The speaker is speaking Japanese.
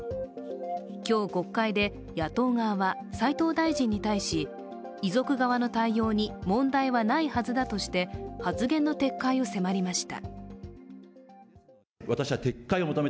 今日、国会で野党側は齋藤大臣に対し遺族側の対応に問題はないはずだとして発言の撤回を迫りました。